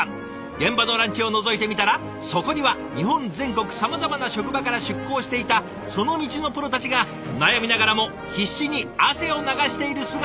現場のランチをのぞいてみたらそこには日本全国さまざまな職場から出向していたその道のプロたちが悩みながらも必死に汗を流している姿がありました。